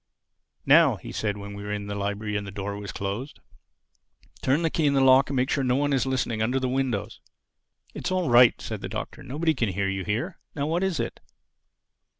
"Now," he said, when we were inside the library and the door was closed, "turn the key in the lock and make sure there's no one listening under the windows." "It's all right," said the Doctor. "Nobody can hear you here. Now what is it?"